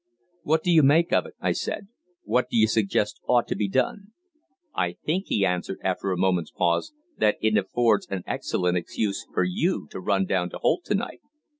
"What do you make of it?" I said. "What do you suggest ought to be done?" "I think," he answered after a moment's pause, "that it affords an excellent excuse for you to run down to Holt to night."